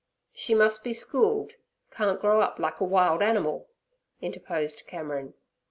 'She must be schooled—can't grow up like a wild animal' interposed Cameron.